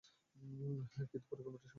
কিন্তু পরিকল্পনাটি সফল হয়নি।